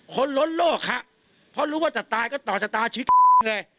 คนลดโลกครับเพราะรู้ว่าจะตายก็ต่อจตาชีวิตเลย